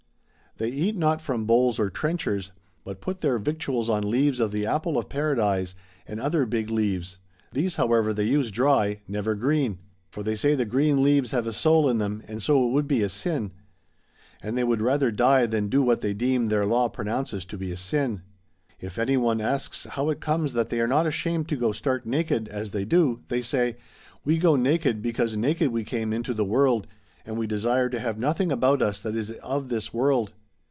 ^] They eat not from bowls or trenchers, but put their victuals on leaves of the Apple of Paradise and other big leaves ; these however they use dry, never green. For they say the green leaves have a soul in them, and so it would be a sin. And they would rather die than do what they deem their Law pronounces to be sin. If any one asks how it comes that they are not ashamed to go stark naked as they do, they say, " We go naked because naked we came into the world, and we desire to have nothing about us that is of this world.